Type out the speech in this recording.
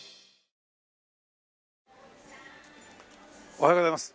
おはようございます。